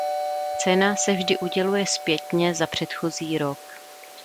Cena se vždy uděluje zpětně za předchozí rok.